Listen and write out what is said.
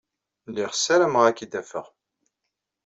Lliɣ ssarameɣ ad k-id-afeɣ.